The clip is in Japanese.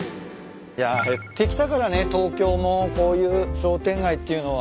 いや減ってきたからね東京もこういう商店街っていうのは。